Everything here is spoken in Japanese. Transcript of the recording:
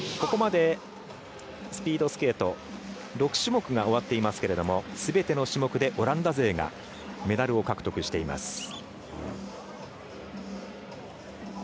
ここまで、スピードスケート６種目が終わっていますけれどもすべての種目でオランダ勢がメダルを獲得しています。